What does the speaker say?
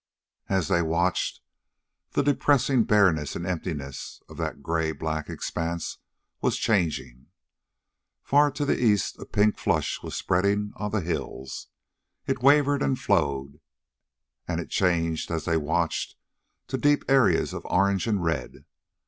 And as they watched, the depressing bareness and emptiness of that gray black expanse was changing. Far to the east a pink flush was spreading on the hills. It wavered and flowed, and it changed, as they watched, to deep areas of orange and red.